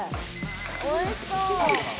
おいしそう！